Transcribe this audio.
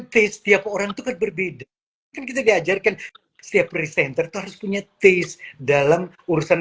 taste setiap orang itu kan berbeda kan kita diajarkan setiap presenter harus punya taste dalam urusan